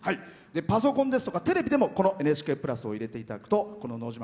パソコンですとかテレビでもこの「ＮＨＫプラス」を入れていただくと「のど自慢」